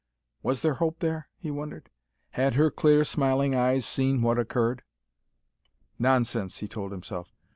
Was there hope there? he wondered. Had her clear, smiling eyes seen what occurred? "Nonsense," he told himself.